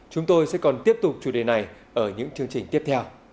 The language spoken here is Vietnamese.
chúng tôi sẽ còn tiếp tục chủ đề này ở những chương trình tiếp theo